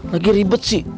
lagi ribet sih